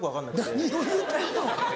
何を言うてんの。